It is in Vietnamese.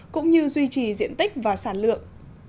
cũng như duy trì diện tích và sản lượng